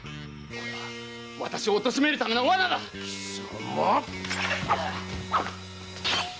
これは私を貶めるための罠だ‼貴様！